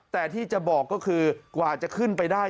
แต่ที่จะบอกก็คือกว่าจะขึ้นไปได้